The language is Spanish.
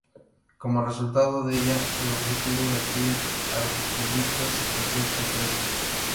Como resultado de ella el objetivo de aquellos artiguistas se cumplió con creces.